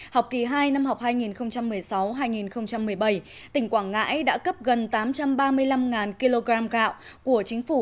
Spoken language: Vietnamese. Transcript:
học kỳ hai năm học hai nghìn một mươi sáu hai nghìn một mươi bảy tỉnh quảng ngãi đã cấp gần tám trăm ba mươi năm kg gạo của chính phủ